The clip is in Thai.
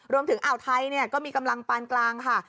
รวมถึงอ่าวไทยเนี่ยก็มีกำลังปานกลางค่ะ